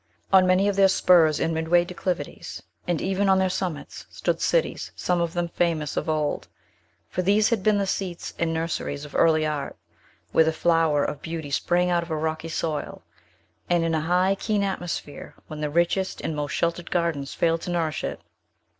On many of their spurs and midway declivities, and even on their summits, stood cities, some of them famous of old; for these had been the seats and nurseries of early art, where the flower of beauty sprang out of a rocky soil, and in a high, keen atmosphere, when the richest and most sheltered gardens failed to nourish it.